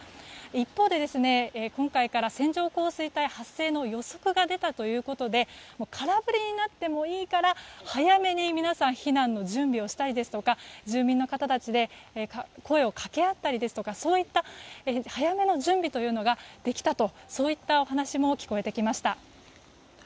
一方で今回から線状降水帯発生の予測が出たということで空振りになってもいいから早めに皆さん避難の準備をしたりですとか住民の方同士で声を掛け合ったりですとかそういった早めの準備ができたといったお話も聞こえてきました。